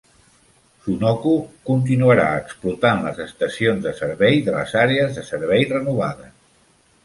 Sunoco continuarà explotant les estacions de servei de les àrees de servei renovades.